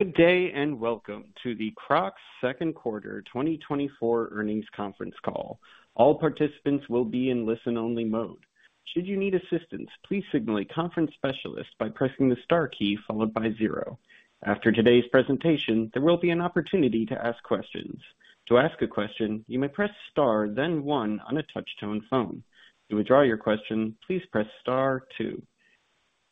Good day, and welcome to the Crocs Q2 2024 earnings conference call. All participants will be in listen-only mode. Should you need assistance, please signal a conference specialist by pressing the star key followed by zero. After today's presentation, there will be an opportunity to ask questions. To ask a question, you may press star, then one on a touch-tone phone. To withdraw your question, please press star two.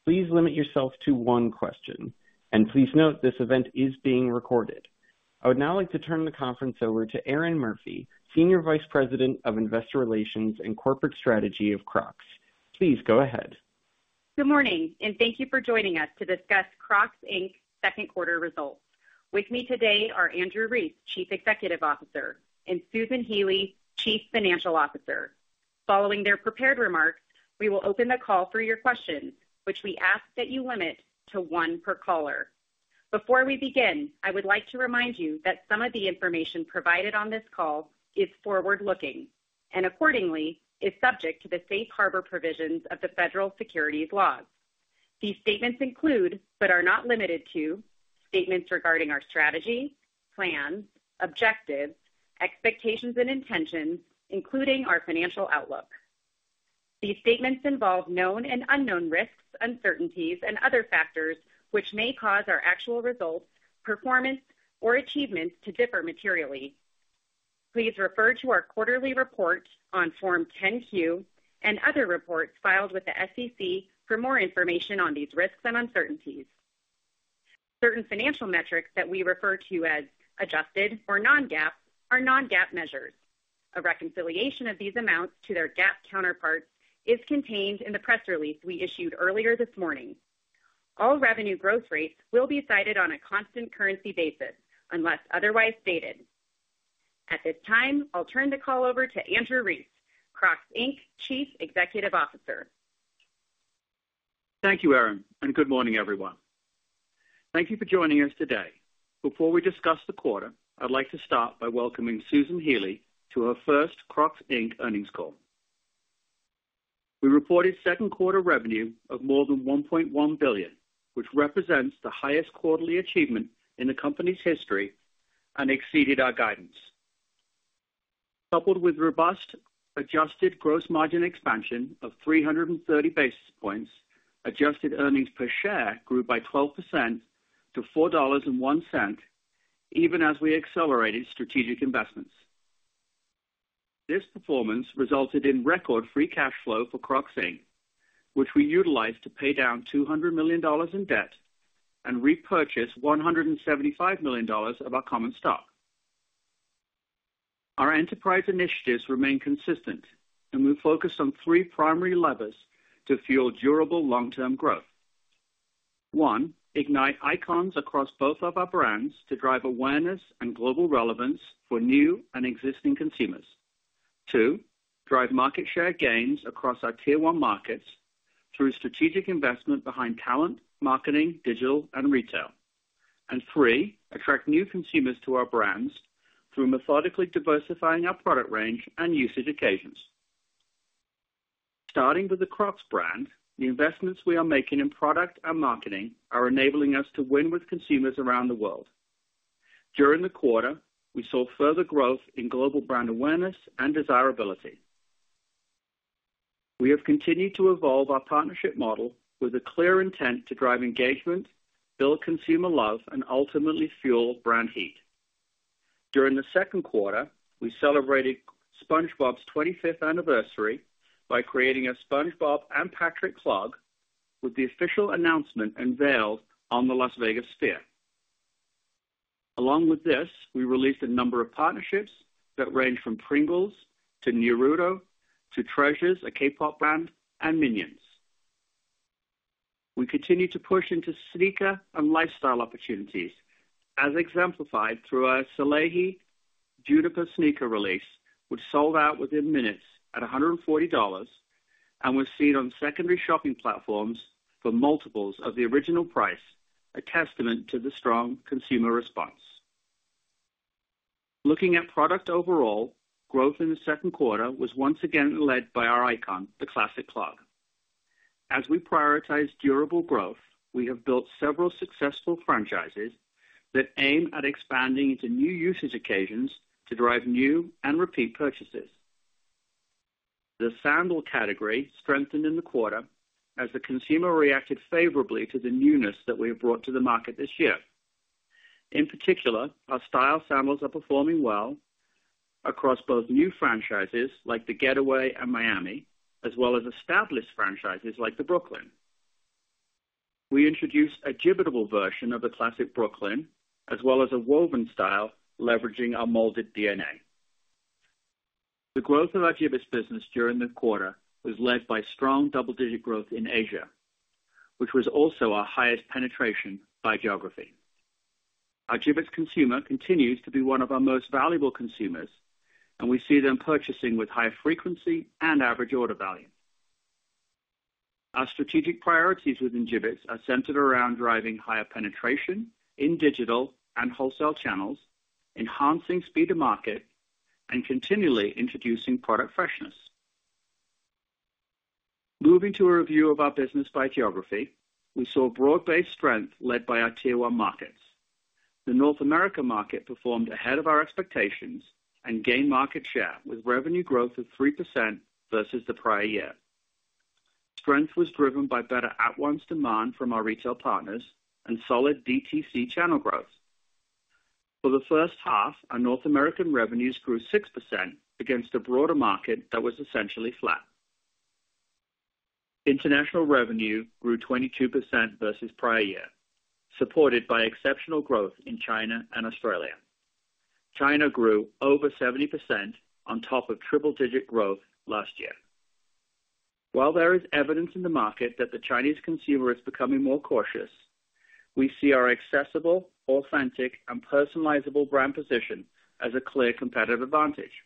Please limit yourself to one question, and please note this event is being recorded. I would now like to turn the conference over to Erinn Murphy, Senior Vice President of Investor Relations and Corporate Strategy of Crocs. Please go ahead. Good morning, and thank you for joining us to discuss Crocs, Inc. Q2 results. With me today are Andrew Rees, Chief Executive Officer, and Susan Healy, Chief Financial Officer. Following their prepared remarks, we will open the call for your questions, which we ask that you limit to one per caller. Before we begin, I would like to remind you that some of the information provided on this call is forward-looking and accordingly is subject to the safe harbor provisions of the Federal Securities laws. These statements include, but are not limited to, statements regarding our strategy, plans, objectives, expectations, and intentions, including our financial outlook. These statements involve known and unknown risks, uncertainties, and other factors which may cause our actual results, performance, or achievements to differ materially. Please refer to our quarterly report on Form 10-Q and other reports filed with the SEC for more information on these risks and uncertainties. Certain financial metrics that we refer to as adjusted or non-GAAP are non-GAAP measures. A reconciliation of these amounts to their GAAP counterparts is contained in the press release we issued earlier this morning. All revenue growth rates will be cited on a constant currency basis, unless otherwise stated. At this time, I'll turn the call over to Andrew Rees, Crocs, Inc. Chief Executive Officer. Thank you, Erin, and good morning, everyone. Thank you for joining us today. Before we discuss the quarter, I'd like to start by welcoming Susan Healy to her first Crocs, Inc. earnings call. We reported Q2 revenue of more than $1.1 billion, which represents the highest quarterly achievement in the company's history and exceeded our guidance. Coupled with robust adjusted gross margin expansion of 330 basis points, adjusted earnings per share grew by 12% to $4.01, even as we accelerated strategic investments. This performance resulted in record free cash flow for Crocs, Inc., which we utilized to pay down $200 million in debt and repurchase $175 million of our common stock. Our enterprise initiatives remain consistent, and we focus on three primary levers to fuel durable long-term growth. 1, ignite icons across both of our brands to drive awareness and global relevance for new and existing consumers. 2, drive market share gains across our tier one markets through strategic investment behind talent, marketing, digital, and retail. And 3, attract new consumers to our brands through methodically diversifying our product range and usage occasions. Starting with the Crocs brand, the investments we are making in product and marketing are enabling us to win with consumers around the world. During the quarter, we saw further growth in global brand awareness and desirability. We have continued to evolve our partnership model with a clear intent to drive engagement, build consumer love, and ultimately fuel brand heat. During the Q2, we celebrated SpongeBob's 25th anniversary by creating a SpongeBob and Patrick Clog, with the official announcement unveiled on the Las Vegas Sphere. Along with this, we released a number of partnerships that range from Pringles to Naruto to Treasure, a K-pop brand, and Minions. We continue to push into sneaker and lifestyle opportunities, as exemplified through our Salehe Bembury sneaker release, which sold out within minutes at $140 and was seen on secondary shopping platforms for multiples of the original price, a testament to the strong consumer response. Looking at product overall, growth in the Q2 was once again led by our icon, the Classic Clog. As we prioritize durable growth, we have built several successful franchises that aim at expanding into new usage occasions to drive new and repeat purchases. The sandal category strengthened in the quarter as the consumer reacted favorably to the newness that we have brought to the market this year. In particular, our style sandals are performing well across both new franchises like the Getaway and Miami, as well as established franchises like the Brooklyn. We introduced a Jibbitable version of the classic Brooklyn, as well as a woven style, leveraging our molded DNA. The growth of our Jibbitz business during the quarter was led by strong double-digit growth in Asia, which was also our highest penetration by geography. Our Jibbitz consumer continues to be one of our most valuable consumers, and we see them purchasing with high frequency and average order value. Our strategic priorities within Jibbitz are centered around driving higher penetration in digital and wholesale channels, enhancing speed to market, and continually introducing product freshness. Moving to a review of our business by geography, we saw broad-based strength led by our Tier One markets. The North America market performed ahead of our expectations and gained market share, with revenue growth of 3% versus the prior year. Strength was driven by better at-once demand from our retail partners and solid DTC channel growth. For the first half, our North American revenues grew 6% against a broader market that was essentially flat. International revenue grew 22% versus prior year, supported by exceptional growth in China and Australia. China grew over 70% on top of triple-digit growth last year. While there is evidence in the market that the Chinese consumer is becoming more cautious, we see our accessible, authentic, and personalizable brand position as a clear competitive advantage.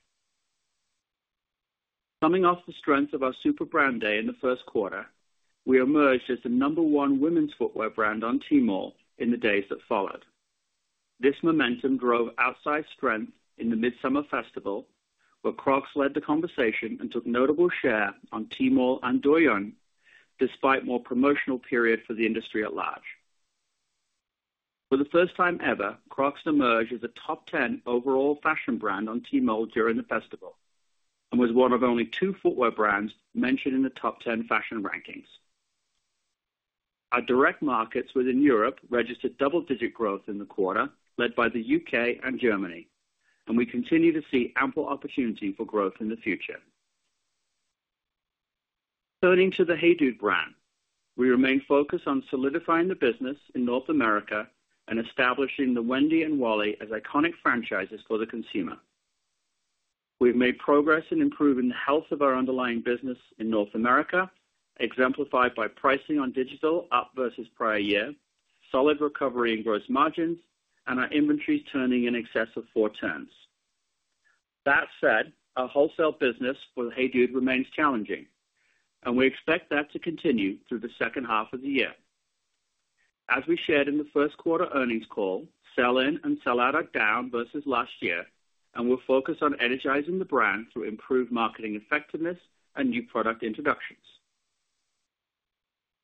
Coming off the strength of our Super Brand Day in the Q1, we emerged as the number 1 women's footwear brand on Tmall in the days that followed. This momentum drove outside strength in the Midsummer Festival, where Crocs led the conversation and took notable share on Tmall and Douyin, despite more promotional period for the industry at large. For the first time ever, Crocs emerged as a top 10 overall fashion brand on Tmall during the festival, and was one of only two footwear brands mentioned in the top 10 fashion rankings. Our direct markets within Europe registered double-digit growth in the quarter, led by the U.K. and Germany, and we continue to see ample opportunity for growth in the future. Turning to the HEYDUDE brand, we remain focused on solidifying the business in North America and establishing the Wendy and Wally as iconic franchises for the consumer. We've made progress in improving the health of our underlying business in North America, exemplified by pricing on digital up versus prior year, solid recovery in gross margins, and our inventories turning in excess of four turns. That said, our wholesale business with HEYDUDE remains challenging, and we expect that to continue through the second half of the year. As we shared in the Q1 earnings call, sell-in and sell-out are down versus last year, and we're focused on energizing the brand through improved marketing effectiveness and new product introductions.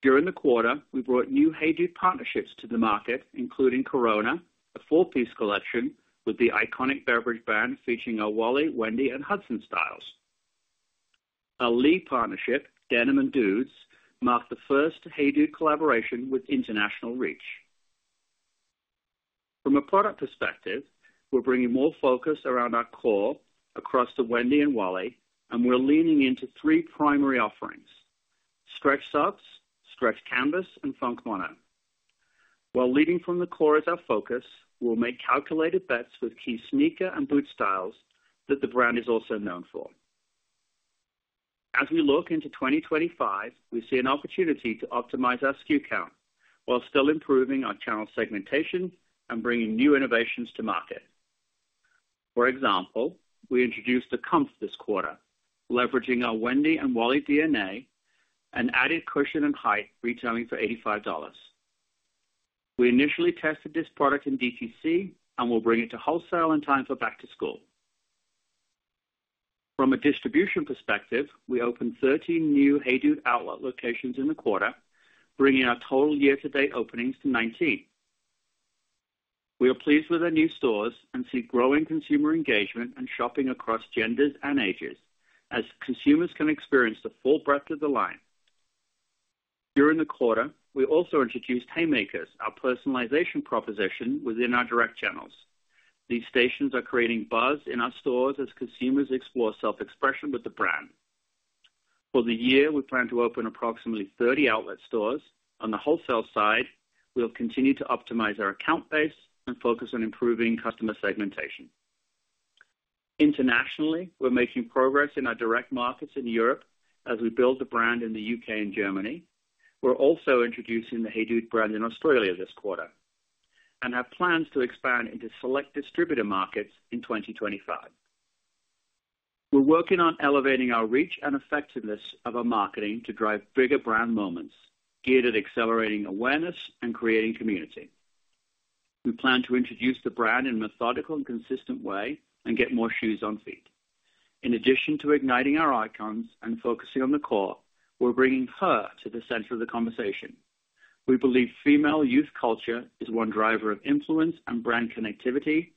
During the quarter, we brought new HEYDUDE partnerships to the market, including Corona, a four-piece collection with the iconic beverage brand, featuring our Wally, Wendy, and Hudson styles. Our Lee partnership, Denim and Dudes, marked the first HEYDUDE collaboration with international reach. From a product perspective, we're bringing more focus around our core across the Wendy and Wally, and we're leaning into three primary offerings: Stretch Suedes, stretch Canvas, and Funk ono. While leading from the core is our focus, we'll make calculated bets with key sneaker and boot styles that the brand is also known for. As we look into 2025, we see an opportunity to optimize our SKU count, while still improving our channel segmentation and bringing new innovations to market. For example, we introduced the Comf this quarter, leveraging our Wendy and Wally DNA and added cushion and height, retailing for $85. We initially tested this product in DTC, and we'll bring it to wholesale in time for back to school. From a distribution perspective, we opened 13 new HEYDUDE outlet locations in the quarter, bringing our total year-to-date openings to 19. We are pleased with our new stores and see growing consumer engagement and shopping across genders and ages, as consumers can experience the full breadth of the line. During the quarter, we also introduced Haymakers, our personalization proposition within our direct channels. These stations are creating buzz in our stores as consumers explore self-expression with the brand. For the year, we plan to open approximately 30 outlet stores. On the wholesale side, we'll continue to optimize our account base and focus on improving customer segmentation. Internationally, we're making progress in our direct markets in Europe as we build the brand in the UK and Germany. We're also introducing the Hey Dude brand in Australia this quarter, and have plans to expand into select distributor markets in 2025. We're working on elevating our reach and effectiveness of our marketing to drive bigger brand moments, geared at accelerating awareness and creating community. We plan to introduce the brand in a methodical and consistent way and get more shoes on feet. In addition to igniting our icons and focusing on the core, we're bringing her to the center of the conversation. We believe female youth culture is one driver of influence and brand connectivity,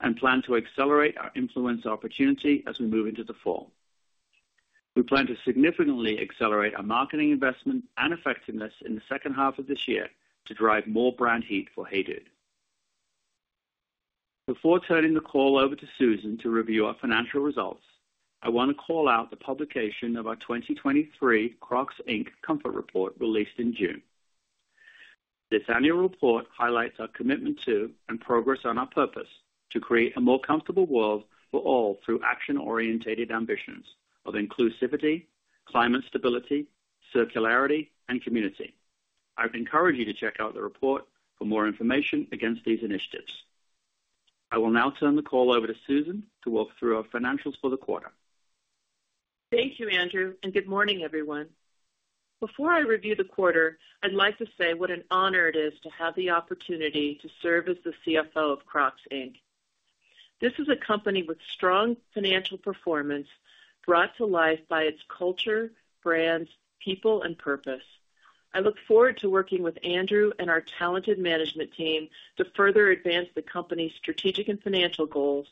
and plan to accelerate our influence opportunity as we move into the fall. We plan to significantly accelerate our marketing investment and effectiveness in the second half of this year to drive more brand heat for Hey Dude. Before turning the call over to Susan to review our financial results, I want to call out the publication of our 2023 Crocs, Inc. Comfort Report, released in June. This annual report highlights our commitment to, and progress on our purpose, to create a more comfortable world for all through action-oriented ambitions of inclusivity, climate stability, circularity, and community. I'd encourage you to check out the report for more information against these initiatives. I will now turn the call over to Susan to walk through our financials for the quarter. Thank you, Andrew, and good morning, everyone. Before I review the quarter, I'd like to say what an honor it is to have the opportunity to serve as the CFO of Crocs, Inc. This is a company with strong financial performance, brought to life by its culture, brands, people and purpose. I look forward to working with Andrew and our talented management team to further advance the company's strategic and financial goals,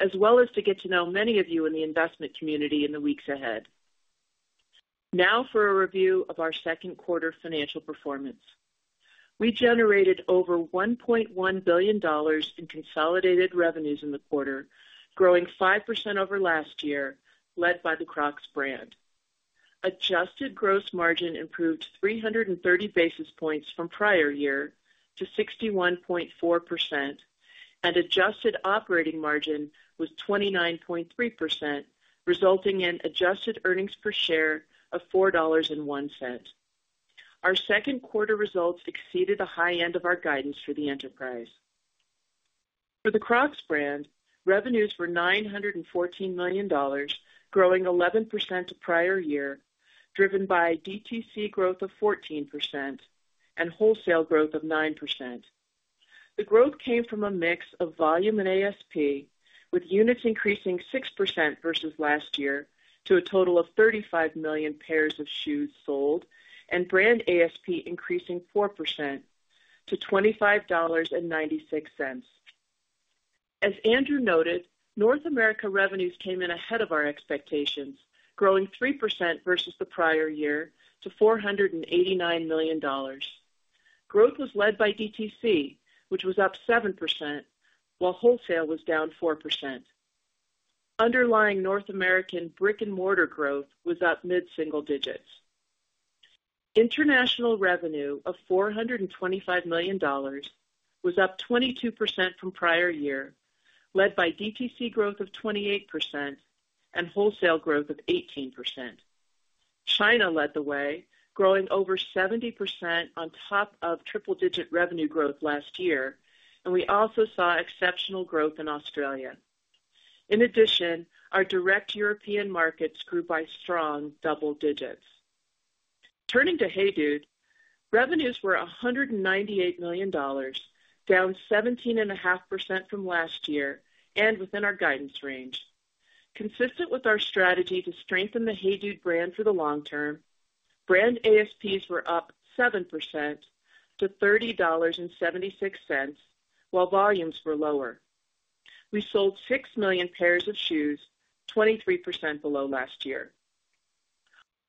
as well as to get to know many of you in the investment community in the weeks ahead. Now for a review of our Q2 financial performance. We generated over $1.1 billion in consolidated revenues in the quarter, growing 5% over last year, led by the Crocs brand. Adjusted gross margin improved 330 basis points from prior year to 61.4%, and adjusted operating margin was 29.3%, resulting in adjusted earnings per share of $4.01. Our Q2 results exceeded the high end of our guidance for the enterprise. For the Crocs brand, revenues were $914 million, growing 11% to prior year, driven by DTC growth of 14% and wholesale growth of 9%. The growth came from a mix of volume and ASP, with units increasing 6% versus last year, to a total of 35 million pairs of shoes sold, and brand ASP increasing 4% to $25.96. As Andrew noted, North America revenues came in ahead of our expectations, growing 3% versus the prior year to $489 million. Growth was led by DTC, which was up 7%, while wholesale was down 4%. Underlying North American brick-and-mortar growth was up mid-single digits. International revenue of $425 million was up 22% from prior year, led by DTC growth of 28% and wholesale growth of 18%. China led the way, growing over 70% on top of triple-digit revenue growth last year, and we also saw exceptional growth in Australia. In addition, our direct European markets grew by strong double digits. Turning to Hey Dude, revenues were $198 million, down 17.5% from last year and within our guidance range. Consistent with our strategy to strengthen the Hey Dude brand for the long term, brand ASPs were up 7% to $30.76, while volumes were lower. We sold 6 million pairs of shoes, 23% below last year.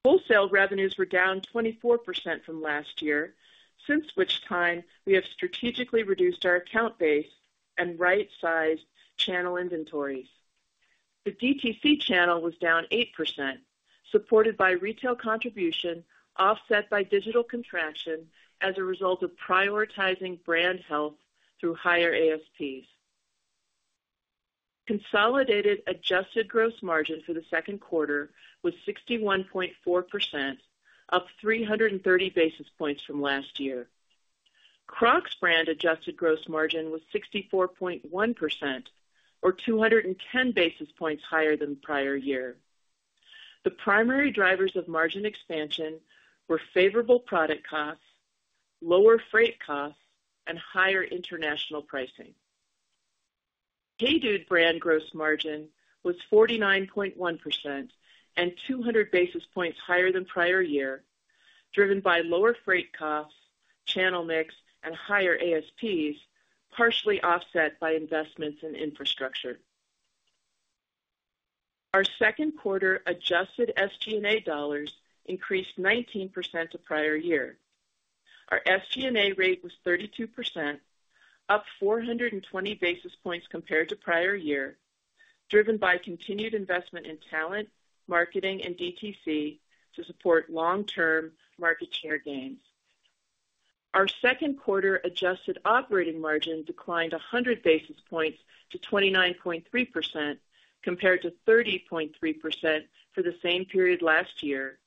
Wholesale revenues were down 24% from last year, since which time we have strategically reduced our account base and right-sized channel inventories. The DTC channel was down 8%, supported by retail contribution, offset by digital contraction as a result of prioritizing brand health through higher ASPs. Consolidated adjusted gross margin for the Q2 was 61.4%, up 330 basis points from last year. Crocs brand adjusted gross margin was 64.1%, or 210 basis points higher than the prior year. The primary drivers of margin expansion were favorable product costs, lower freight costs, and higher international pricing. HEYDUDE brand gross margin was 49.1% and 200 basis points higher than prior year, driven by lower freight costs, channel mix, and higher ASPs, partially offset by investments in infrastructure. Our Q2 adjusted SG&A dollars increased 19% to prior year. Our SG&A rate was 32%, up 420 basis points compared to prior year, driven by continued investment in talent, marketing, and DTC to support long-term market share gains. Our Q2 adjusted operating margin declined 100 basis points to 29.3%, compared to 30.3% for the same period last year,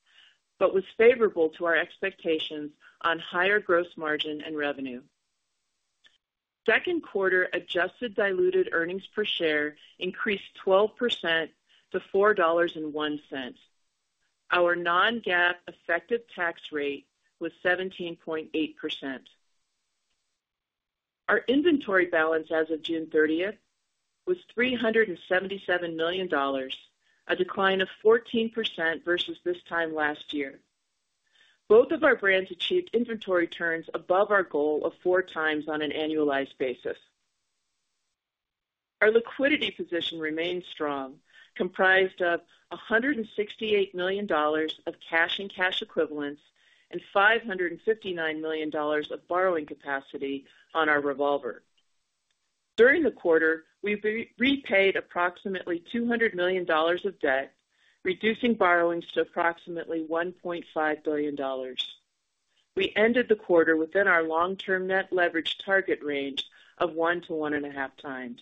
but was favorable to our expectations on higher gross margin and revenue. Q2 adjusted diluted earnings per share increased 12% to $4.01. Our non-GAAP effective tax rate was 17.8%. Our inventory balance as of June 30 was $377 million, a decline of 14% versus this time last year. Both of our brands achieved inventory turns above our goal of 4 times on an annualized basis. Our liquidity position remains strong, comprised of $168 million of cash and cash equivalents and $559 million of borrowing capacity on our revolver. During the quarter, we repaid approximately $200 million of debt, reducing borrowings to approximately $1.5 billion. We ended the quarter within our long-term net leverage target range of 1 to 1.5 times.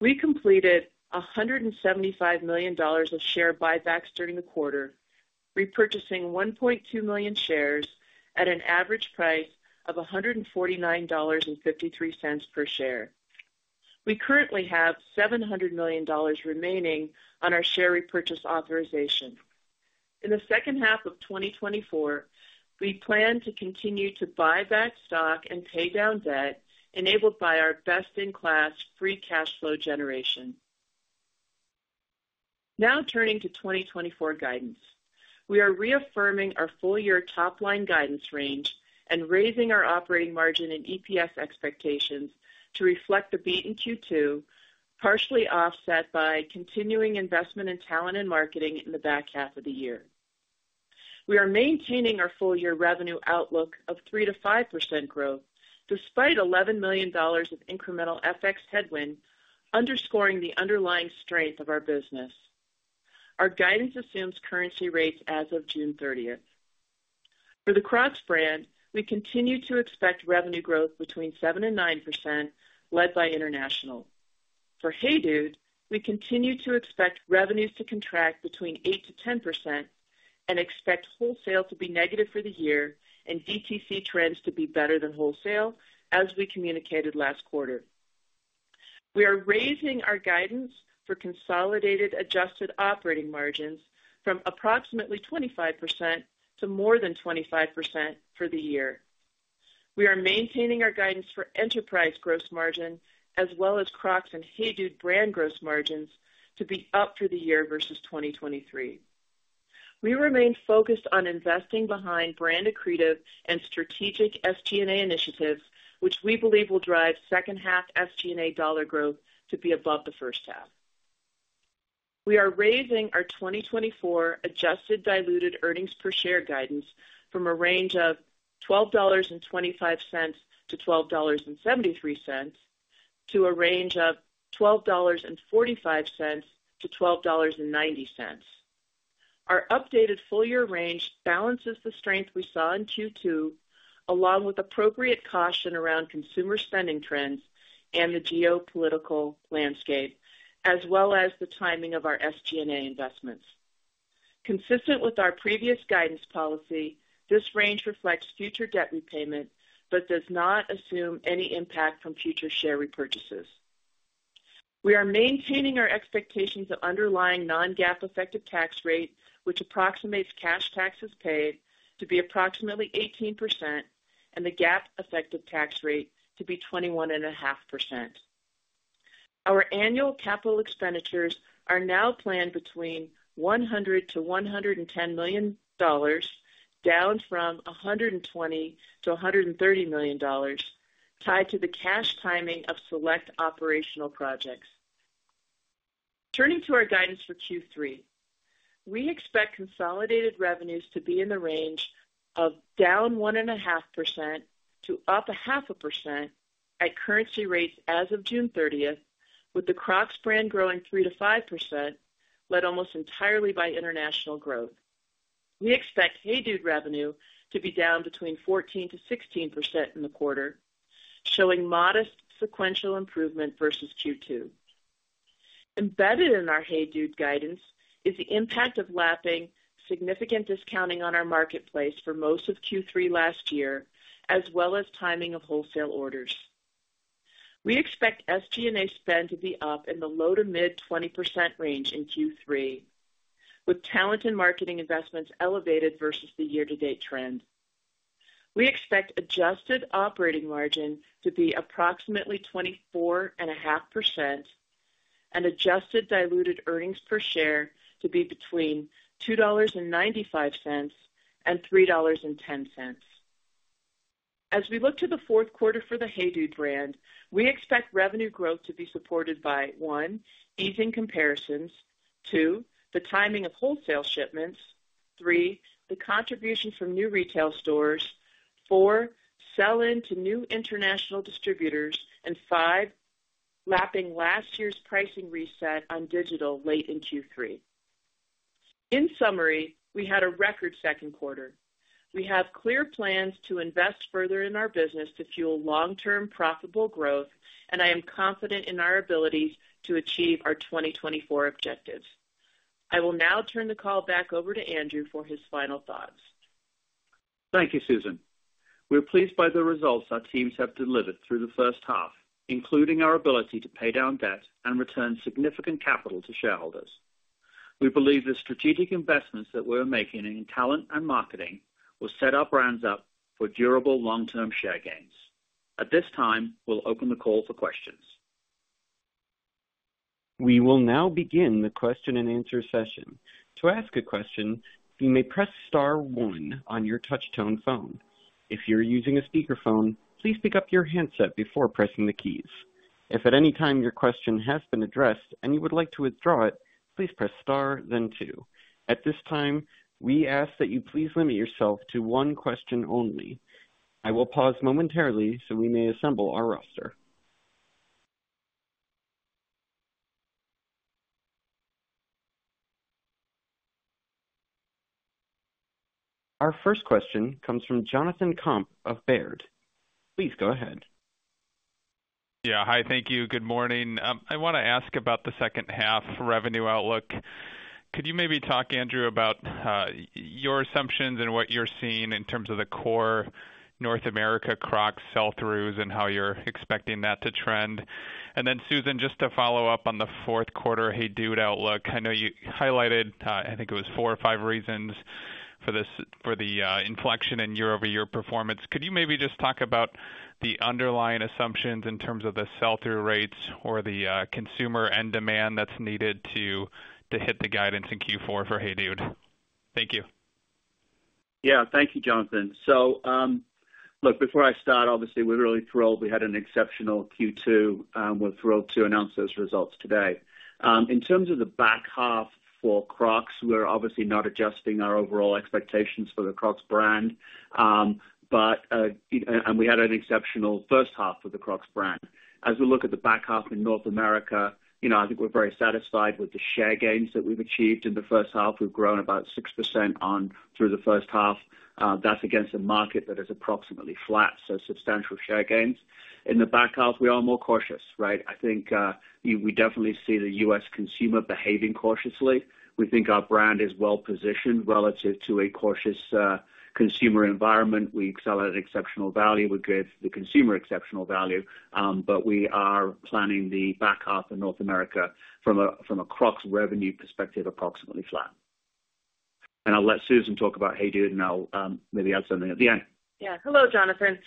We completed $175 million of share buybacks during the quarter, repurchasing 1.2 million shares at an average price of $149.53 per share. We currently have $700 million remaining on our share repurchase authorization. In the second half of 2024, we plan to continue to buy back stock and pay down debt, enabled by our best-in-class free cash flow generation. Now, turning to 2024 guidance. We are reaffirming our full-year top-line guidance range and raising our operating margin and EPS expectations to reflect the beat in Q2, partially offset by continuing investment in talent and marketing in the back half of the year. We are maintaining our full-year revenue outlook of 3%-5% growth, despite $11 million of incremental FX headwind, underscoring the underlying strength of our business. Our guidance assumes currency rates as of June 30th. For the Crocs brand, we continue to expect revenue growth between 7% and 9%, led by international. For Hey Dude, we continue to expect revenues to contract between 8%-10% and expect wholesale to be negative for the year and DTC trends to be better than wholesale, as we communicated last quarter. We are raising our guidance for consolidated adjusted operating margins from approximately 25% to more than 25% for the year. We are maintaining our guidance for enterprise gross margin, as well as Crocs and Hey Dude brand gross margins, to be up for the year versus 2023. We remain focused on investing behind brand accretive and strategic SG&A initiatives, which we believe will drive second half SG&A dollar growth to be above the first half. We are raising our 2024 adjusted diluted earnings per share guidance from a range of $12.25-$12.73 to a range of $12.45-$12.90. Our updated full-year range balances the strength we saw in Q2, along with appropriate caution around consumer spending trends and the geopolitical landscape, as well as the timing of our SG&A investments. Consistent with our previous guidance policy, this range reflects future debt repayment, but does not assume any impact from future share repurchases. We are maintaining our expectations of underlying non-GAAP effective tax rate, which approximates cash taxes paid to be approximately 18%, and the GAAP effective tax rate to be 21.5%. Our annual capital expenditures are now planned between $100-$110 million, down from $120-$130 million, tied to the cash timing of select operational projects. Turning to our guidance for Q3. We expect consolidated revenues to be in the range of -1.5% to +0.5% at currency rates as of June 30, with the Crocs brand growing 3%-5%, led almost entirely by international growth. We expect Hey Dude revenue to be down between 14%-16% in the quarter, showing modest sequential improvement versus Q2. Embedded in our Hey Dude guidance is the impact of lapping significant discounting on our marketplace for most of Q3 last year, as well as timing of wholesale orders. We expect SG&A spend to be up in the low to mid-20% range in Q3, with talent and marketing investments elevated versus the year-to-date trend. We expect adjusted operating margin to be approximately 24.5% and adjusted diluted earnings per share to be between $2.95 and $3.10. As we look to the fourth quarter for the Hey Dude brand, we expect revenue growth to be supported by, one, easing comparisons, two, the timing of wholesale shipments, three, the contribution from new retail stores, four, sell-in to new international distributors, and five, lapping last year's pricing reset on digital late in Q3. In summary, we had a record Q2. We have clear plans to invest further in our business to fuel long-term profitable growth, and I am confident in our ability to achieve our 2024 objectives. I will now turn the call back over to Andrew for his final thoughts. Thank you, Susan. We're pleased by the results our teams have delivered through the first half, including our ability to pay down debt and return significant capital to shareholders. We believe the strategic investments that we're making in talent and marketing will set our brands up for durable long-term share gains. At this time, we'll open the call for questions. We will now begin the question-and-answer session. To ask a question, you may press star one on your touch-tone phone. If you're using a speakerphone, please pick up your handset before pressing the keys. If at any time your question has been addressed and you would like to withdraw it, please press star, then two. At this time, we ask that you please limit yourself to one question only. I will pause momentarily so we may assemble our roster. Our first question comes from Jonathan Komp of Baird. Please go ahead. Yeah. Hi, thank you. Good morning. I want to ask about the second half revenue outlook. Could you maybe talk, Andrew, about your assumptions and what you're seeing in terms of the core North America Crocs sell-throughs and how you're expecting that to trend? And then, Susan, just to follow up on the fourth quarter Hey Dude outlook, I know you highlighted, I think it was four or five reasons for this, for the inflection in year-over-year performance, could you maybe just talk about the underlying assumptions in terms of the sell-through rates or the consumer end demand that's needed to hit the guidance in Q4 for Hey Dude? Thank you. Yeah. Thank you, Jonathan. So, look, before I start, obviously, we're really thrilled. We had an exceptional Q2, we're thrilled to announce those results today. In terms of the back half for Crocs, we're obviously not adjusting our overall expectations for the Crocs brand. But we had an exceptional first half for the Crocs brand. As we look at the back half in North America, you know, I think we're very satisfied with the share gains that we've achieved in the first half. We've grown about 6% on through the first half. That's against a market that is approximately flat, so substantial share gains. In the back half, we are more cautious, right? I think, we definitely see the U.S. consumer behaving cautiously. We think our brand is well positioned relative to a cautious consumer environment. We excel at exceptional value. We give the consumer exceptional value, but we are planning the back half in North America from a Crocs revenue perspective, approximately flat. And I'll let Susan talk about HEYDUDE, and I'll maybe add something at the end. Yeah. Hello, Jonathan.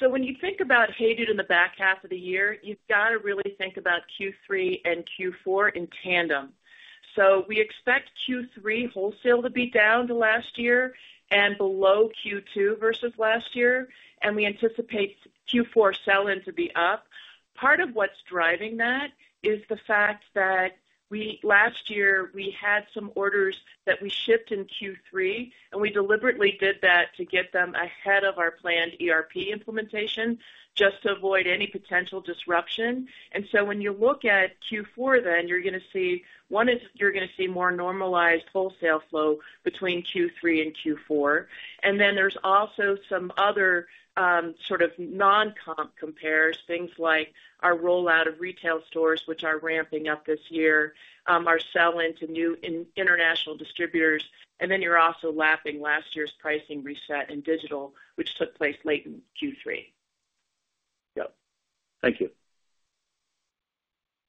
So when you think about HEYDUDE in the back half of the year, you've gotta really think about Q3 and Q4 in tandem. So we expect Q3 wholesale to be down to last year and below Q2 versus last year, and we anticipate Q4 sell-in to be up. Part of what's driving that is the fact that we, last year, we had some orders that we shipped in Q3, and we deliberately did that to get them ahead of our planned ERP implementation, just to avoid any potential disruption. And so when you look at Q4, then, you're gonna see, one is you're gonna see more normalized wholesale flow between Q3 and Q4. Then there's also some other, sort of non-comp compares, things like our rollout of retail stores, which are ramping up this year, our sell-in to new international distributors, and then you're also lapping last year's pricing reset in digital, which took place late in Q3. Yep. Thank you.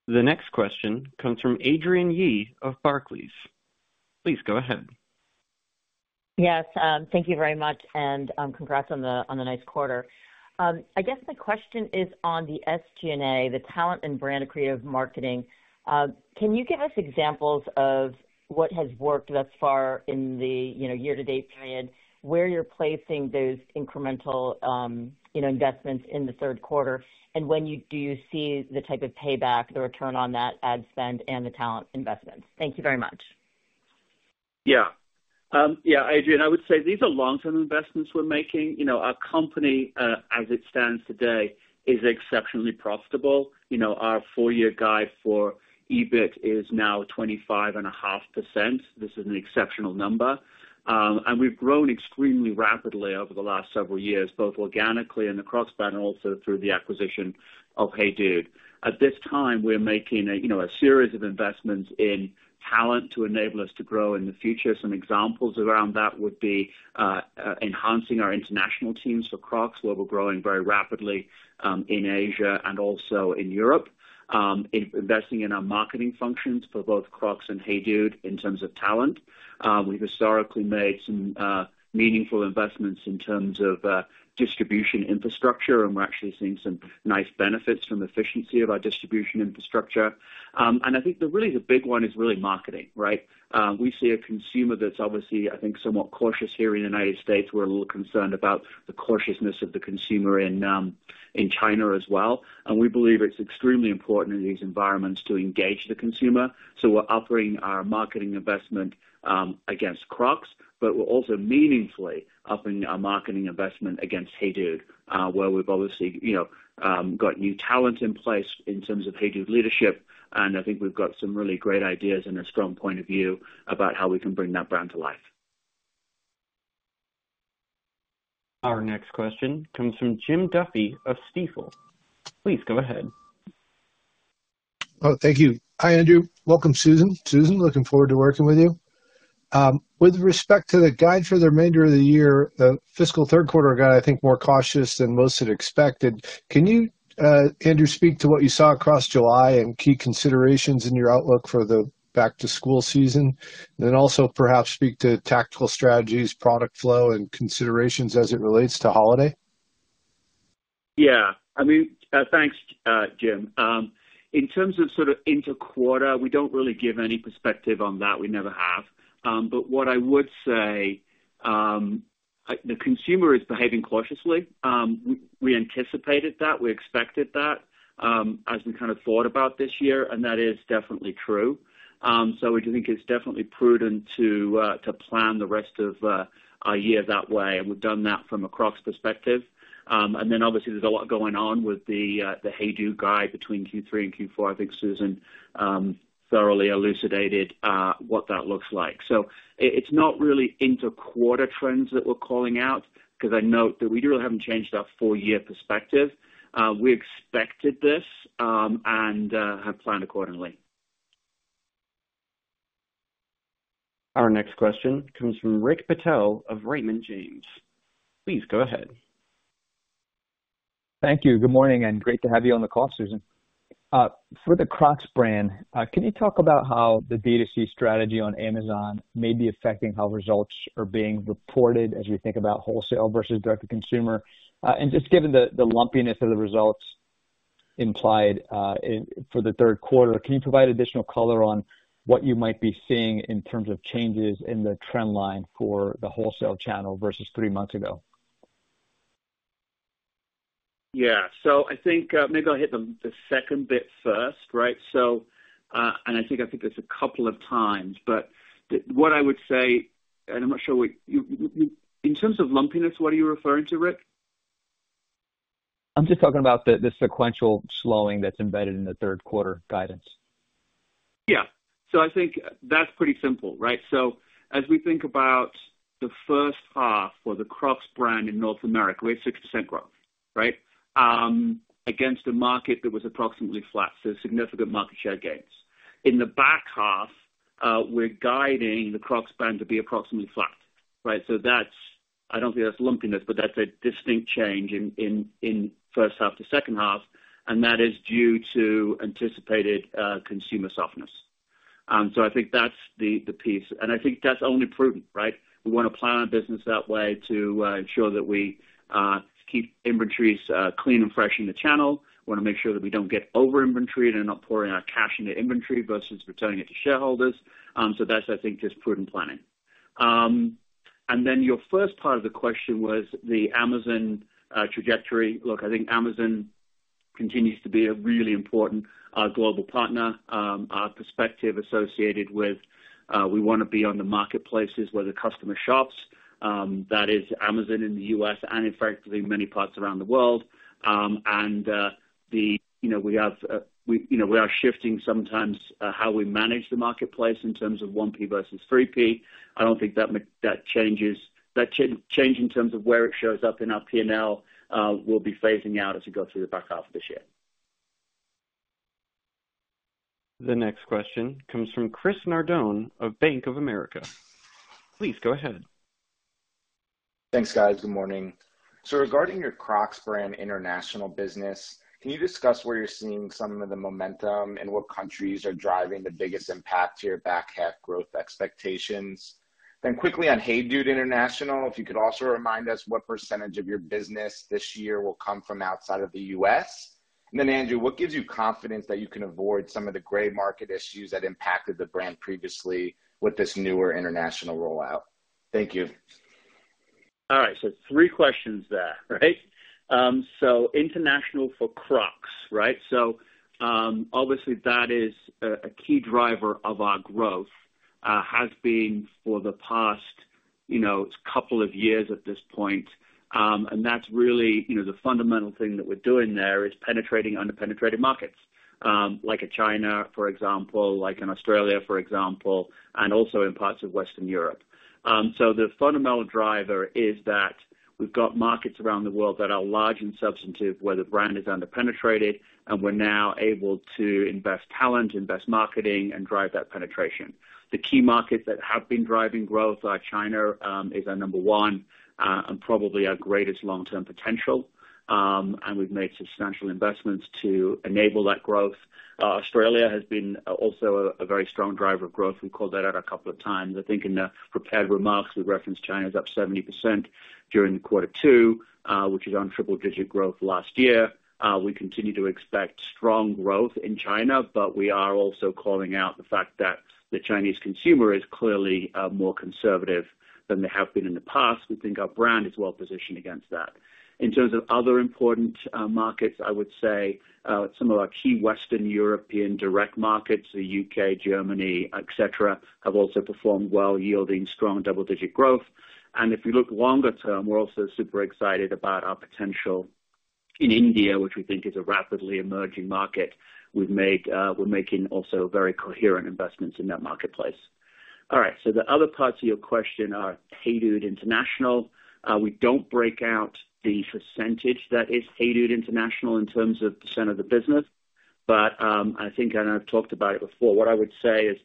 The next question comes from Adrienne Yih of Barclays. Please go ahead. Yes, thank you very much, and congrats on the nice quarter. I guess my question is on the SG&A, the talent and brand creative marketing. Can you give us examples of what has worked thus far in the, you know, year-to-date period, where you're placing those incremental, you know, investments in the Q3, and when do you see the type of payback, the return on that ad spend and the talent investments? Thank you very much. Yeah. Yeah, Adrienne, I would say these are long-term investments we're making. You know, our company, as it stands today, is exceptionally profitable. You know, our four-year guide for EBIT is now 25.5%. This is an exceptional number. And we've grown extremely rapidly over the last several years, both organically in the Crocs brand and also through the acquisition of Hey Dude. At this time, we're making a, you know, a series of investments in talent to enable us to grow in the future. Some examples around that would be, enhancing our international teams for Crocs, where we're growing very rapidly, in Asia and also in Europe. Investing in our marketing functions for both Crocs and Hey Dude in terms of talent. We've historically made some meaningful investments in terms of distribution infrastructure, and we're actually seeing some nice benefits from the efficiency of our distribution infrastructure. And I think that really the big one is really marketing, right? We see a consumer that's obviously, I think, somewhat cautious here in the United States. We're a little concerned about the cautiousness of the consumer in in China as well, and we believe it's extremely important in these environments to engage the consumer. So we're upping our marketing investment against Crocs, but we're also meaningfully upping our marketing investment against Hey Dude, where we've obviously, you know, got new talent in place in terms of Hey Dude leadership, and I think we've got some really great ideas and a strong point of view about how we can bring that brand to life. Our next question comes from Jim Duffy of Stifel. Please, go ahead. Oh, thank you. Hi, Andrew. Welcome, Susan. Susan, looking forward to working with you. With respect to the guide for the remainder of the year, the fiscal Q3 guide, I think, more cautious than most had expected. Can you, Andrew, speak to what you saw across July and key considerations in your outlook for the back-to-school season? And then also perhaps speak to tactical strategies, product flow, and considerations as it relates to holiday. Yeah. I mean, thanks, Jim. In terms of sort of inter-quarter, we don't really give any perspective on that. We never have. But what I would say, the consumer is behaving cautiously. We anticipated that, we expected that, as we kind of thought about this year, and that is definitely true. So we do think it's definitely prudent to plan the rest of our year that way, and we've done that from a Crocs perspective. And then obviously, there's a lot going on with the HEYDUDE guidance between Q3 and Q4. I think Susan thoroughly elucidated what that looks like. So it's not really inter-quarter trends that we're calling out, because I note that we really haven't changed our full-year perspective. We expected this, and have planned accordingly. Our next question comes from Rick Patel of Raymond James. Please go ahead.... Thank you. Good morning, and great to have you on the call, Susan. For the Crocs brand, can you talk about how the D2C strategy on Amazon may be affecting how results are being reported as you think about wholesale versus direct to consumer? And just given the lumpiness of the results implied in for the Q3, can you provide additional color on what you might be seeing in terms of changes in the trend line for the wholesale channel versus three months ago? Yeah. So I think, maybe I'll hit the second bit first, right? So, and I think this a couple of times, but what I would say, and I'm not sure what you... In terms of lumpiness, what are you referring to, Rick? I'm just talking about the sequential slowing that's embedded in the Q3 guidance. Yeah. So I think that's pretty simple, right? So as we think about the first half for the Crocs brand in North America, we had 6% growth, right? Against a market that was approximately flat, so significant market share gains. In the back half, we're guiding the Crocs brand to be approximately flat, right? So that's, I don't think that's lumpiness, but that's a distinct change in first half to second half, and that is due to anticipated consumer softness. So I think that's the piece, and I think that's only prudent, right? We wanna plan our business that way to ensure that we keep inventories clean and fresh in the channel. We wanna make sure that we don't get over-inventoried and are not pouring our cash into inventory versus returning it to shareholders. So that's, I think, just prudent planning. And then your first part of the question was the Amazon trajectory. Look, I think Amazon continues to be a really important global partner. Our perspective associated with, we wanna be on the marketplaces where the customer shops, that is Amazon in the US and in frankly, many parts around the world. And, you know, we have, you know, we are shifting sometimes, how we manage the marketplace in terms of 1P versus 3P. I don't think that change in terms of where it shows up in our P&L will be phasing out as we go through the back half of this year. The next question comes from Chris Nardone of Bank of America. Please go ahead. Thanks, guys. Good morning. So regarding your Crocs brand international business, can you discuss where you're seeing some of the momentum and what countries are driving the biggest impact to your back half growth expectations? Then quickly on HEYDUDE International, if you could also remind us what percentage of your business this year will come from outside of the U.S. And then, Andrew, what gives you confidence that you can avoid some of the gray market issues that impacted the brand previously with this newer international rollout? Thank you. All right, so three questions there, right? So international for Crocs, right? So, obviously, that is a key driver of our growth, has been for the past, you know, couple of years at this point. And that's really, you know, the fundamental thing that we're doing there is penetrating under-penetrated markets, like in China, for example, like in Australia, for example, and also in parts of Western Europe. So the fundamental driver is that we've got markets around the world that are large and substantive, where the brand is under-penetrated, and we're now able to invest talent, invest marketing, and drive that penetration. The key markets that have been driving growth are China, is our number one, and probably our greatest long-term potential. And we've made substantial investments to enable that growth. Australia has been also a very strong driver of growth. We called that out a couple of times. I think in the prepared remarks, we referenced China is up 70% during quarter two, which is on triple-digit growth last year. We continue to expect strong growth in China, but we are also calling out the fact that the Chinese consumer is clearly more conservative than they have been in the past. We think our brand is well positioned against that. In terms of other important markets, I would say some of our key Western European direct markets, the U.K., Germany, et cetera, have also performed well, yielding strong double-digit growth. And if you look longer term, we're also super excited about our potential in India, which we think is a rapidly emerging market. We've made, we're making also very coherent investments in that marketplace. All right, so the other parts of your question are Hey Dude International. We don't break out the percentage that is Hey Dude International in terms of percent of the business. But, I think, and I've talked about it before, what I would say is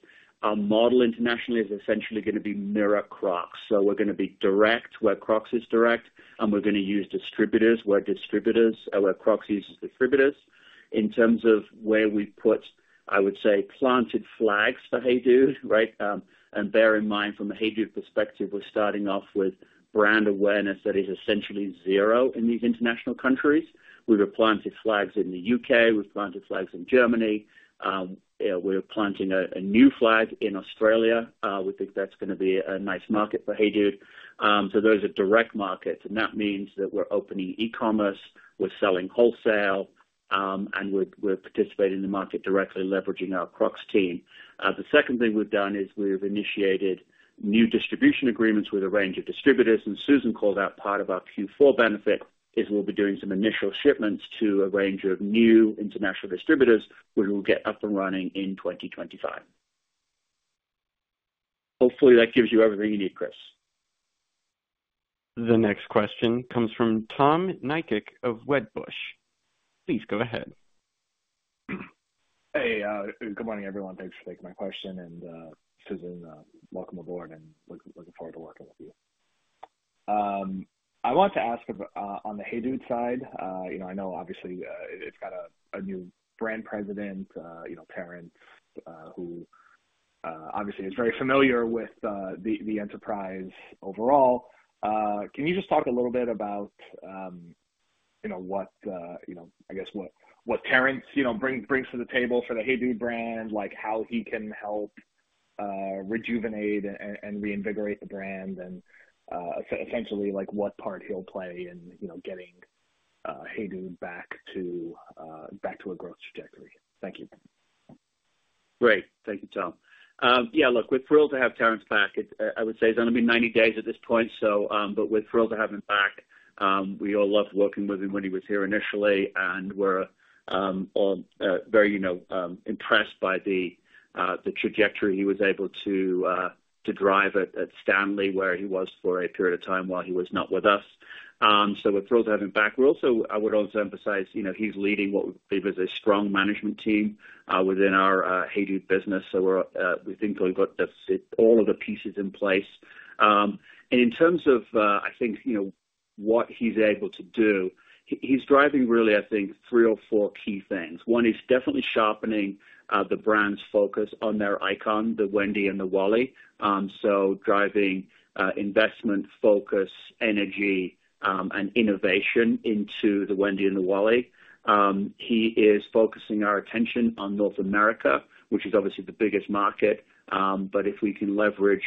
our model internationally is essentially gonna be mirror Crocs. So we're gonna be direct where Crocs is direct, and we're gonna use distributors where distributors, where Crocs uses distributors. In terms of where we put, I would say, planted flags for HEYDUDE, right? Bear in mind, from a HEYDUDE perspective, we're starting off with brand awareness that is essentially zero in these international countries. We were planting flags in the U.K. We're planting flags in Germany. We're planting a new flag in Australia. We think that's gonna be a nice market for HEYDUDE. So those are direct markets, and that means that we're opening e-commerce, we're selling wholesale, and we're participating in the market directly, leveraging our Crocs team. The second thing we've done is we've initiated new distribution agreements with a range of distributors, and Susan called out part of our Q4 benefit, is we'll be doing some initial shipments to a range of new international distributors, which we'll get up and running in 2025. Hopefully, that gives you everything you need, Chris. The next question comes from Tom Nikic of Wedbush. Please go ahead.... Hey, good morning, everyone. Thanks for taking my question, and, Susan, welcome aboard, and looking forward to working with you. I want to ask about, on the Hey Dude side, you know, I know obviously, it's got a new brand president, you know, Terence, who obviously is very familiar with the enterprise overall. Can you just talk a little bit about, you know, what, you know, I guess, what Terence, you know, brings to the table for the Hey Dude brand? Like, how he can help, rejuvenate and reinvigorate the brand, and, essentially, like, what part he'll play in, you know, getting, Hey Dude, back to, back to a growth trajectory? Thank you. Great. Thank you, Tom. Yeah, look, we're thrilled to have Terence back. It, I would say it's only been 90 days at this point, so, but we're thrilled to have him back. We all loved working with him when he was here initially, and we're all very, you know, impressed by the trajectory he was able to to drive at Stanley, where he was for a period of time while he was not with us. So we're thrilled to have him back. We're also... I would also emphasize, you know, he's leading what we believe is a strong management team within our Hey Dude business. So we're, we think we've got all of the pieces in place. And in terms of, I think, you know, what he's able to do, he's driving really, I think, three or four key things. One is definitely sharpening the brand's focus on their icon, the Wendy and the Wally. So driving investment, focus, energy, and innovation into the Wendy and the Wally. He is focusing our attention on North America, which is obviously the biggest market, but if we can leverage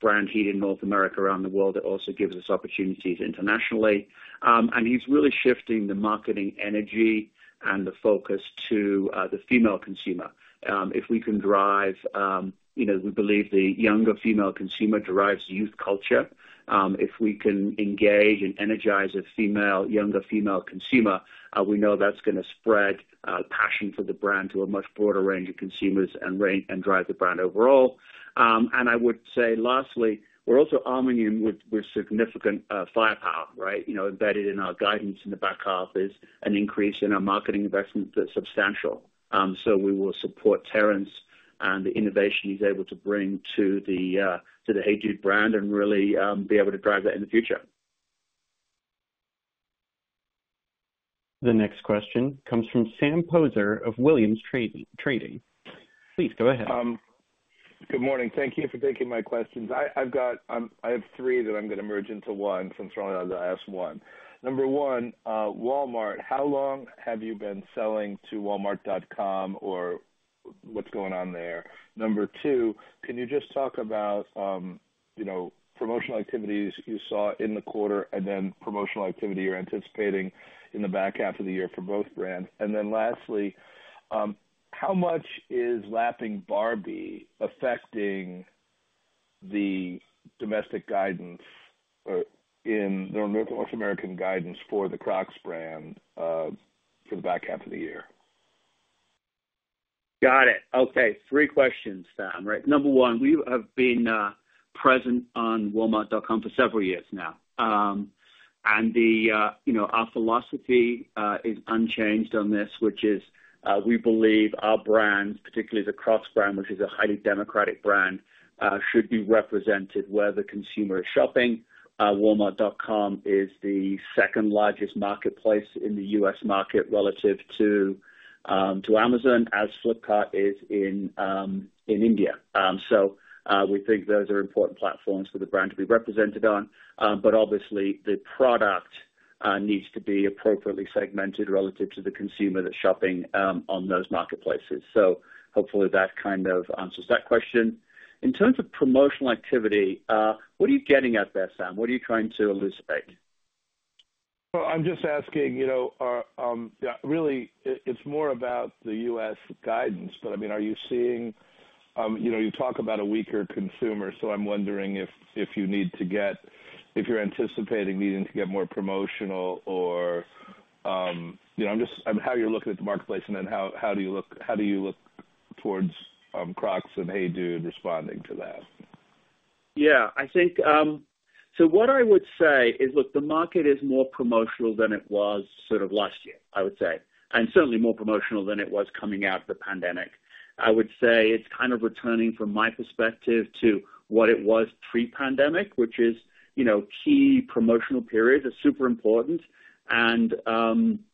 brand heat in North America around the world, it also gives us opportunities internationally. And he's really shifting the marketing energy and the focus to the female consumer. If we can drive... You know, we believe the younger female consumer drives youth culture. If we can engage and energize a female, younger female consumer, we know that's gonna spread passion for the brand to a much broader range of consumers and range, and drive the brand overall. And I would say lastly, we're also arming him with significant firepower, right? You know, embedded in our guidance in the back half is an increase in our marketing investment that's substantial. So we will support Terence and the innovation he's able to bring to the HEYDUDE brand and really be able to drive that in the future. The next question comes from Sam Poser of Williams Trading. Please, go ahead. Good morning. Thank you for taking my questions. I've got, I have three that I'm gonna merge into one since rather than ask one. Number one, Walmart, how long have you been selling to Walmart.com, or what's going on there? Number two, can you just talk about, you know, promotional activities you saw in the quarter, and then promotional activity you're anticipating in the back half of the year for both brands? And then lastly, how much is lapping Barbie affecting the domestic guidance or in the North American guidance for the Crocs brand, for the back half of the year? Got it. Okay, three questions, Sam, right. Number one, we have been present on Walmart.com for several years now. And the, you know, our philosophy is unchanged on this, which is, we believe our brands, particularly the Crocs brand, which is a highly democratic brand, should be represented where the consumer is shopping. Walmart.com is the second largest marketplace in the U.S. market relative to Amazon, as Flipkart is in India. So, we think those are important platforms for the brand to be represented on, but obviously, the product needs to be appropriately segmented relative to the consumer that's shopping on those marketplaces. So hopefully, that kind of answers that question. In terms of promotional activity, what are you getting at there, Sam? What are you trying to elucidate? Well, I'm just asking, you know, really, it's more about the U.S. guidance, but I mean, are you seeing... You know, you talk about a weaker consumer, so I'm wondering if you're anticipating needing to get more promotional or, you know, I'm just—how you're looking at the marketplace, and then how do you look towards Crocs and Hey Dude responding to that? Yeah, I think. So what I would say is, look, the market is more promotional than it was sort of last year, I would say, and certainly more promotional than it was coming out of the pandemic. I would say it's kind of returning, from my perspective, to what it was pre-pandemic, which is, you know, key promotional periods are super important, and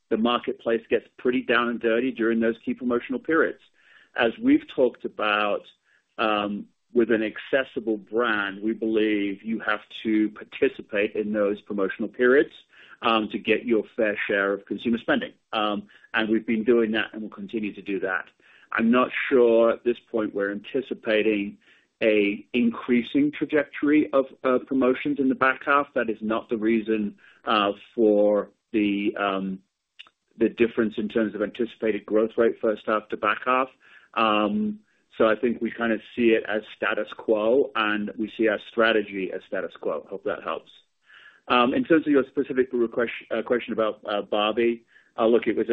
the marketplace gets pretty down and dirty during those key promotional periods. As we've talked about, with an accessible brand, we believe you have to participate in those promotional periods to get your fair share of consumer spending. And we've been doing that, and we'll continue to do that. I'm not sure at this point. We're anticipating an increasing trajectory of promotions in the back half. That is not the reason for the difference in terms of anticipated growth rate, first half to back half. So I think we kind of see it as status quo, and we see our strategy as status quo. Hope that helps. In terms of your specific question about Barbie, look, it was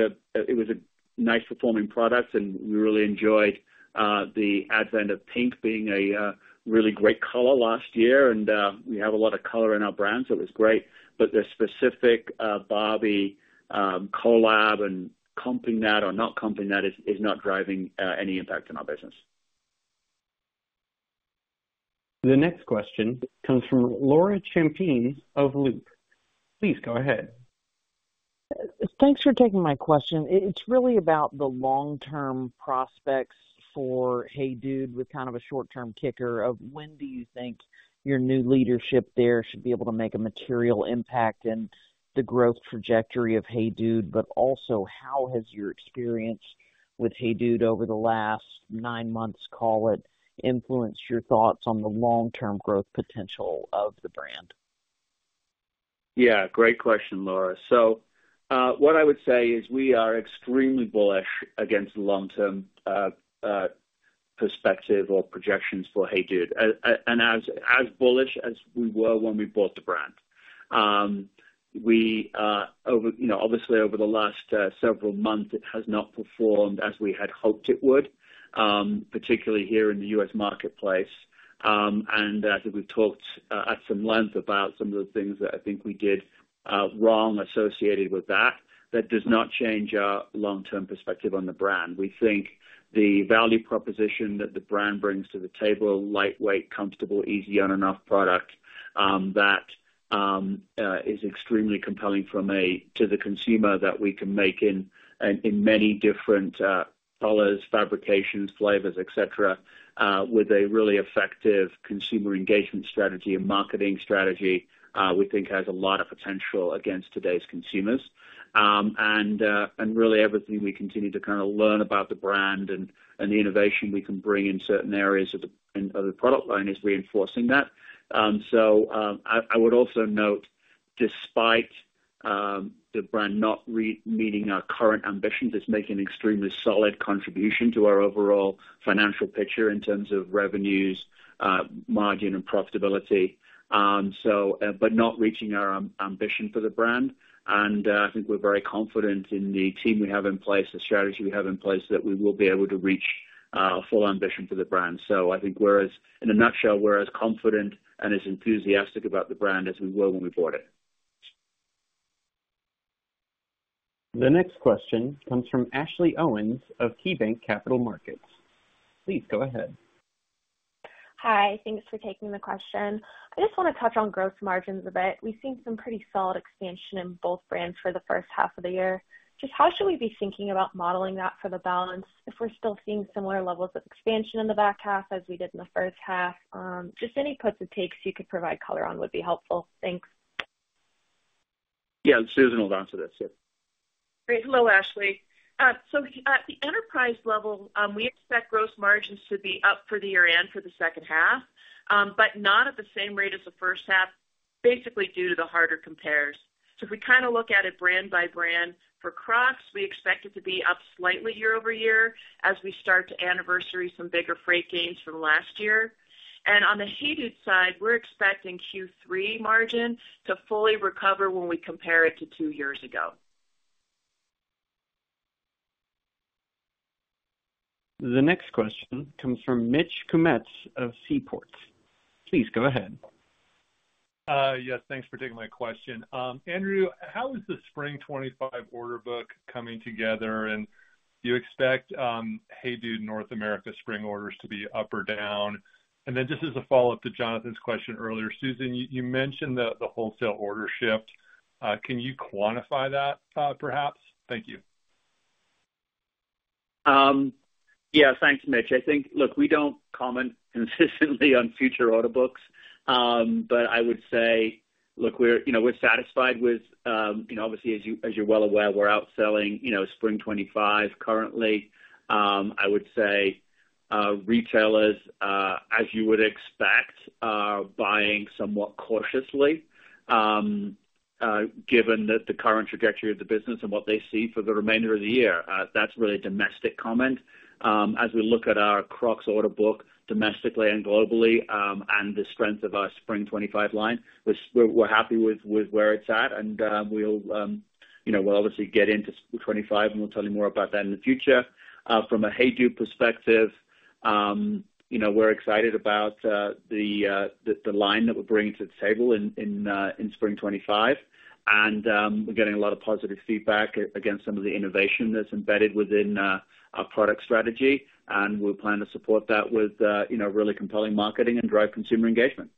a nice-performing product, and we really enjoyed the advent of pink being a really great color last year, and we have a lot of color in our brand, so it was great. But the specific Barbie collab and comping that or not comping that is not driving any impact on our business. The next question comes from Laura Champine of Loop. Please go ahead. Thanks for taking my question. It's really about the long-term prospects for HEYDUDE, with kind of a short-term kicker of: when do you think your new leadership there should be able to make a material impact in the growth trajectory of HEYDUDE? But also, how has your experience with HEYDUDE over the last nine months, call it, influenced your thoughts on the long-term growth potential of the brand? Yeah, great question, Laura. So, what I would say is we are extremely bullish against the long-term perspective or projections for HEYDUDE. And as bullish as we were when we bought the brand. We, you know, obviously, over the last several months, it has not performed as we had hoped it would, particularly here in the U.S. marketplace. And as we've talked at some length about some of the things that I think we did wrong associated with that, that does not change our long-term perspective on the brand. We think the value proposition that the brand brings to the table, lightweight, comfortable, easy on and off product, that is extremely compelling from a... To the consumer, that we can make in many different colors, fabrications, flavors, et cetera, with a really effective consumer engagement strategy and marketing strategy, we think has a lot of potential against today's consumers. And really, everything we continue to kinda learn about the brand and the innovation we can bring in certain areas of the product line is reinforcing that. So, I would also note, despite the brand not meeting our current ambitions, it's making an extremely solid contribution to our overall financial picture in terms of revenues, margin, and profitability. But not reaching our ambition for the brand. I think we're very confident in the team we have in place, the strategy we have in place, that we will be able to reach full ambition for the brand. So I think we're as, in a nutshell, we're as confident and as enthusiastic about the brand as we were when we bought it. The next question comes from Ashley Owens of KeyBanc Capital Markets. Please go ahead. Hi, thanks for taking the question. I just wanna touch on gross margins a bit. We've seen some pretty solid expansion in both brands for the first half of the year. Just how should we be thinking about modeling that for the balance, if we're still seeing similar levels of expansion in the back half as we did in the first half? Just any puts and takes you could provide color on would be helpful. Thanks. Yeah, Susan will answer this. Yeah. Great. Hello, Ashley. So at the enterprise level, we expect gross margins to be up for the year-end, for the second half, but not at the same rate as the first half, basically due to the harder compares. So if we kinda look at it brand by brand, for Crocs, we expect it to be up slightly year-over-year, as we start to anniversary some bigger freight gains from last year. And on the Hey Dude side, we're expecting Q3 margin to fully recover when we compare it to two years ago. The next question comes from Mitch Kumetz of Seaport. Please go ahead. Yes, thanks for taking my question. Andrew, how is the spring 2025 order book coming together? And do you expect, Hey Dude, North America spring orders to be up or down? And then just as a follow-up to Jonathan's question earlier, Susan, you mentioned the wholesale order shift. Can you quantify that, perhaps? Thank you. Yeah, thanks, Mitch. Look, we don't comment consistently on future order books. But I would say, look, we're, you know, we're satisfied with, you know, obviously, as you, as you're well aware, we're out selling, you know, spring 2025 currently. I would say, retailers, as you would expect, are buying somewhat cautiously, given that the current trajectory of the business and what they see for the remainder of the year, that's really a domestic comment. As we look at our Crocs order book, domestically and globally, and the strength of our spring 2025 line, which we're, we're happy with, with where it's at, and, you know, we'll obviously get into 2025, and we'll tell you more about that in the future. From a Hey Dude perspective, you know, we're excited about the line that we're bringing to the table in spring 2025. We're getting a lot of positive feedback against some of the innovation that's embedded within our product strategy, and we'll plan to support that with, you know, really compelling marketing and drive consumer engagement.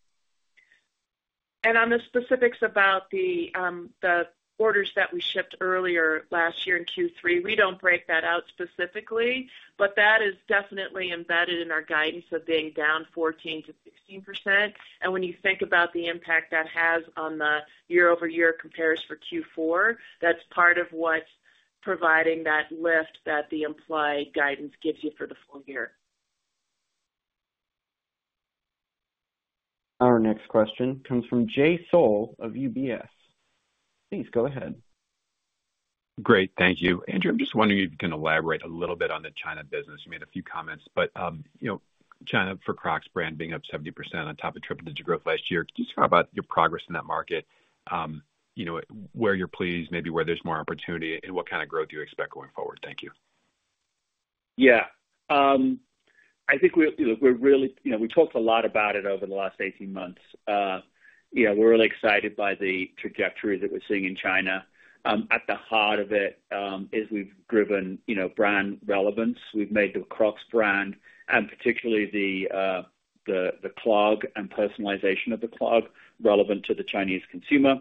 On the specifics about the orders that we shipped earlier last year in Q3, we don't break that out specifically, but that is definitely embedded in our guidance of being down 14%-16%. When you think about the impact that has on the year-over-year compares for Q4, that's part of what's providing that lift that the implied guidance gives you for the full year. Our next question comes from Jay Sole of UBS. Please go ahead. Great. Thank you. Andrew, I'm just wondering if you can elaborate a little bit on the China business. You made a few comments, but China for Crocs brand being up 70% on top of triple-digit growth last year. Can you talk about your progress in that market? Where you're pleased, maybe where there's more opportunity, and what kind of growth do you expect going forward? Thank you. Yeah. I think we, you know, we're really. You know, we talked a lot about it over the last 18 months. Yeah, we're really excited by the trajectory that we're seeing in China. At the heart of it, is we've driven, you know, brand relevance. We've made the Crocs brand, and particularly the clog and personalization of the clog, relevant to the Chinese consumer.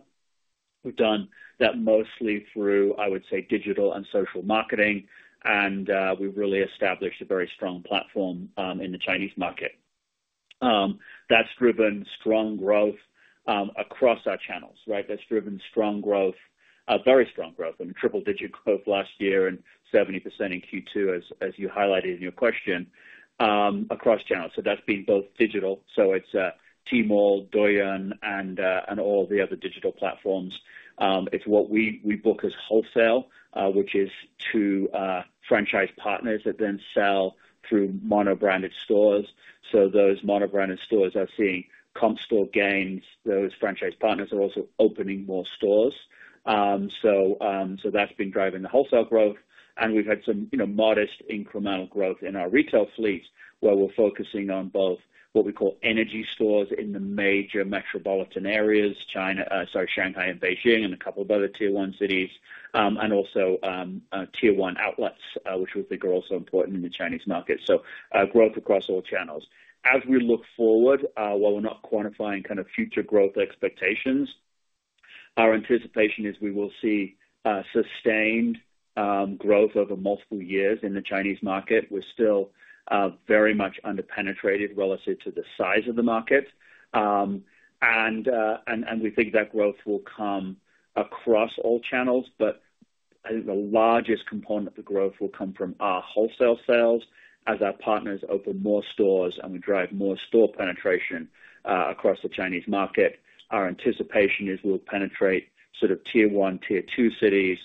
We've done that mostly through, I would say, digital and social marketing, and, we've really established a very strong platform, in the Chinese market. That's driven strong growth, across our channels, right? That's driven strong growth, very strong growth. I mean, triple-digit growth last year and 70% in Q2, as you highlighted in your question, across channels. So that's been both digital, so it's, Tmall, Douyin, and, and all the other digital platforms. It's what we, we book as wholesale, which is to, franchise partners that then sell through mono-branded stores. So those mono-branded stores are seeing comp store gains. Those franchise partners are also opening more stores. So, so that's been driving the wholesale growth, and we've had some, you know, modest incremental growth in our retail fleet, where we're focusing on both what we call energy stores in the major metropolitan areas, China, sorry, Shanghai and Beijing, and a couple of other Tier One cities, and also, Tier One outlets, which we think are also important in the Chinese market. So, growth across all channels. As we look forward, while we're not quantifying kind of future growth expectations, our anticipation is we will see sustained growth over multiple years in the Chinese market. We're still very much underpenetrated relative to the size of the market. And we think that growth will come across all channels, but I think the largest component of the growth will come from our wholesale sales, as our partners open more stores, and we drive more store penetration across the Chinese market. Our anticipation is we'll penetrate sort of Tier 1, Tier 2 cities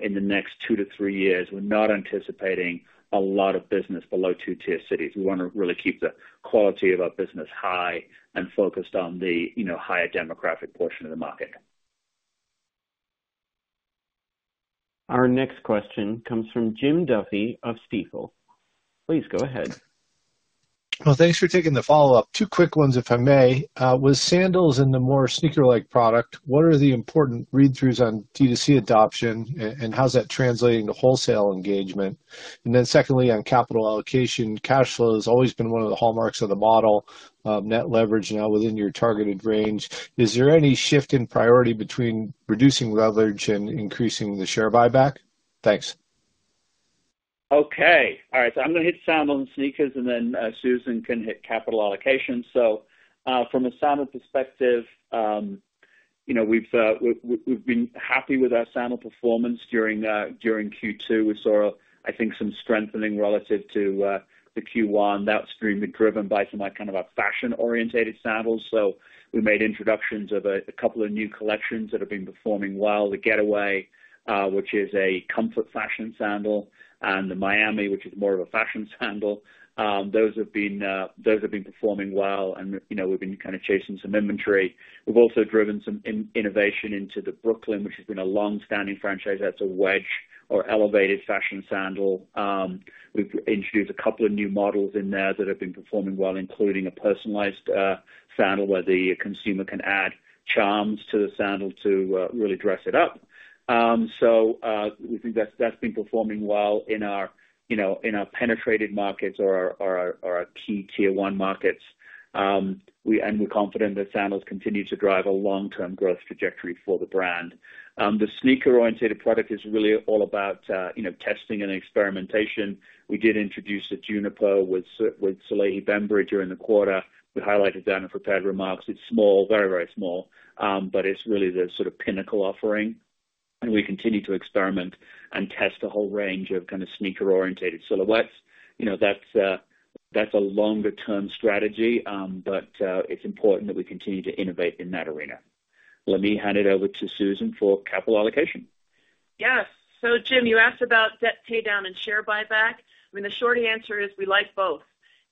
in the next 2-3 years. We're not anticipating a lot of business below two-tier cities. We wanna really keep the quality of our business high and focused on the, you know, higher demographic portion of the market. Our next question comes from Jim Duffy of Stifel. Please go ahead. Well, thanks for taking the follow-up. Two quick ones, if I may. With sandals and the more sneaker-like product, what are the important read-throughs on D2C adoption, and how's that translating to wholesale engagement? And then secondly, on capital allocation, cash flow has always been one of the hallmarks of the model. Net leverage now within your targeted range. Is there any shift in priority between reducing leverage and increasing the share buyback? Thanks. Okay. All right, so I'm gonna hit sandal and sneakers, and then, Susan can hit capital allocation. So, from a sandal perspective, you know, we've been happy with our sandal performance during Q2. We saw, I think, some strengthening relative to the Q1. That's mainly driven by some of our fashion-oriented sandals. So we made introductions of a couple of new collections that have been performing well. The Getaway, which is a comfort fashion sandal, and the Miami, which is more of a fashion sandal. Those have been performing well, and, you know, we've been kind of chasing some inventory. We've also driven some innovation into the Brooklyn, which has been a longstanding franchise. That's a wedge or elevated fashion sandal. We've introduced a couple of new models in there that have been performing well, including a personalized sandal, where the consumer can add charms to the sandal to really dress it up. So, we think that's been performing well in our, you know, penetrated markets or our key Tier One markets. And we're confident that sandals continue to drive a long-term growth trajectory for the brand. The sneaker-oriented product is really all about, you know, testing and experimentation. We did introduce the Juniper with Salehe Bembury during the quarter. We highlighted that in prepared remarks. It's small, very, very small, but it's really the sort of pinnacle offering, and we continue to experiment and test a whole range of kind of sneaker-oriented silhouettes. You know, that's a longer-term strategy, but it's important that we continue to innovate in that arena. Let me hand it over to Susan for capital allocation. Yes. Jim, you asked about debt paydown and share buyback. I mean, the short answer is we like both,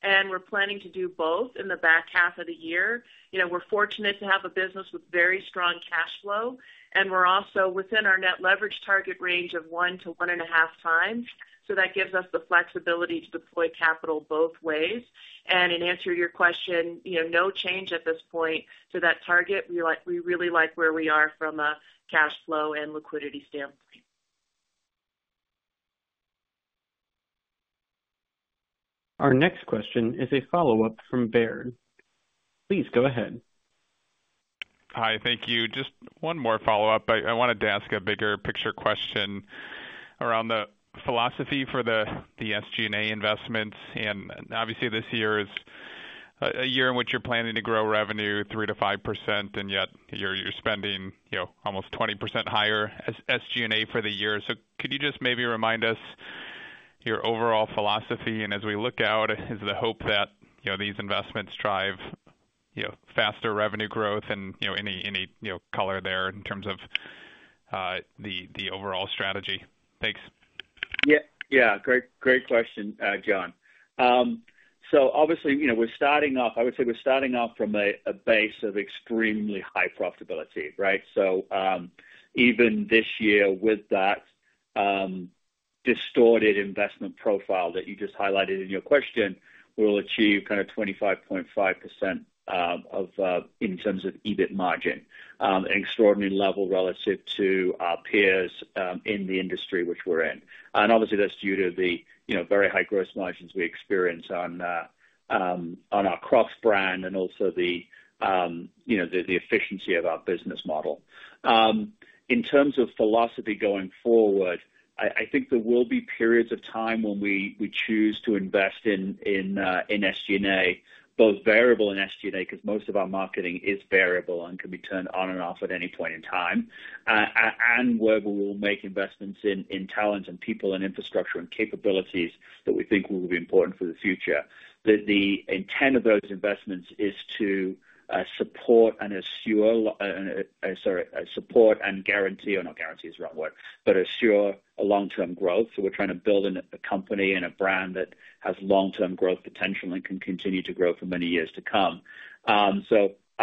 and we're planning to do both in the back half of the year. You know, we're fortunate to have a business with very strong cash flow, and we're also within our net leverage target range of 1-1.5 times, so that gives us the flexibility to deploy capital both ways. In answer to your question, you know, no change at this point to that target. We really like where we are from a cash flow and liquidity standpoint. Our next question is a follow-up from Baird. Please go ahead. Hi, thank you. Just one more follow-up. I, I wanted to ask a bigger picture question around the philosophy for the SG&A investments. And obviously, this year is a year in which you're planning to grow revenue 3%-5%, and yet you're spending, you know, almost 20% higher as SG&A for the year. So could you just maybe remind us your overall philosophy? And as we look out, is the hope that, you know, these investments drive, you know, faster revenue growth and, you know, any you know, color there in terms of the overall strategy? Thanks. Yeah, yeah. Great, great question, John. So obviously, you know, we're starting off—I would say we're starting off from a base of extremely high profitability, right? So, even this year, with that distorted investment profile that you just highlighted in your question, we'll achieve kind of 25.5% of in terms of EBIT margin, an extraordinary level relative to our peers in the industry which we're in. And obviously, that's due to the, you know, very high gross margins we experience on our Crocs brand and also the, you know, the efficiency of our business model. In terms of philosophy going forward, I think there will be periods of time when we choose to invest in SG&A, both variable and SG&A, because most of our marketing is variable and can be turned on and off at any point in time. And where we will make investments in talent and people, and infrastructure, and capabilities that we think will be important for the future. That the intent of those investments is to support and assure, sorry, support and guarantee... Oh, no, guarantee is the wrong word, but assure long-term growth. So we're trying to build a company and a brand that has long-term growth potential and can continue to grow for many years to come. I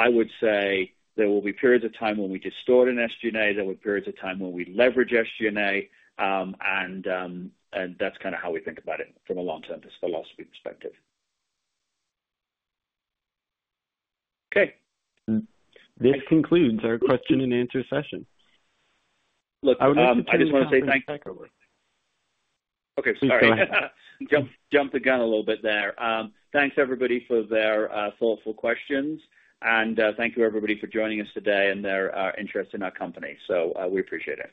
would say there will be periods of time when we distort in SG&A, there will be periods of time when we leverage SG&A. That's kind of how we think about it from a long-term philosophy perspective. Okay. This concludes our question and answer session. Look, I just want to say thank you- Okay. Sorry. Please go ahead. Jumped the gun a little bit there. Thanks, everybody, for their thoughtful questions. Thank you, everybody, for joining us today and their interest in our company. We appreciate it.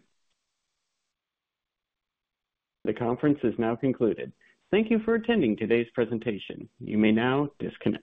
The conference is now concluded. Thank you for attending today's presentation. You may now disconnect.